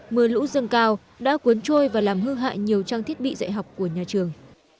mưa lũ dâng cao đã cuốn trôi và làm hư hại nhiều trang thiết bị dạy học của nhà trường